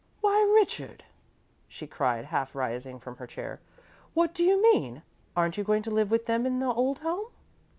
"Why, Richard!" she cried, half rising from her chair; "what do you mean? Aren't you going to live with them in the old home?"